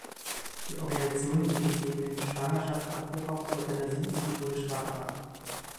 Die Organisation lehnt neben dem Schwangerschaftsabbruch auch Euthanasie und die Todesstrafe ab.